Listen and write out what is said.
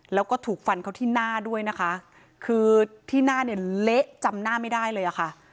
แล้วก็ถูกฟันเขาที่หน้าด้วยนะคะคือที่หน้าเนี่ยเละจำหน้าไม่ได้เลยอะค่ะ